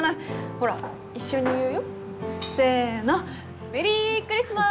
ほら一緒に言うよせのメリークリスマス！